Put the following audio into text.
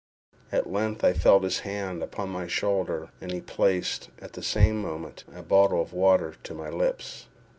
At length I felt his hand upon my shoulder, and he placed, at the same moment, a bottle of water to my lips.